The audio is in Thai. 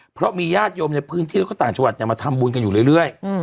เพราะมีญาติโยมในพื้นที่แล้วก็ต่างจังหวัดมาทำบุญกันอยู่เรื่อย